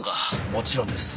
もちろんです。